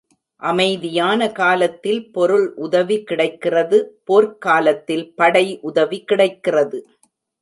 அமைதியான காலத்தில் பொருள் உதவி கிடைக்கிறது போர்க்காலத்தில் படை உதவி கிடைக்கிறது.